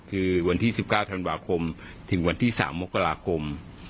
คือวันที่๑๙ธันวาคมถึงวันที่๓มกราคม